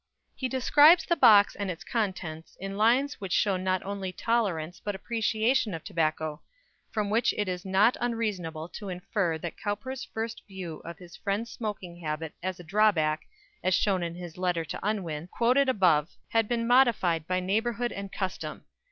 _ He describes the box and its contents in lines which show not only tolerance but appreciation of tobacco, from which it is not unreasonable to infer that Cowper's first view of his friend's smoking habit as a drawback as shown in his letter to Unwin, quoted above had been modified by neighbourhood and custom.